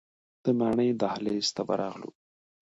د ماڼۍ دهلیز ته ورغلو.